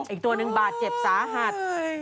อีกตัวหนึ่งบาดเจ็บสาหัส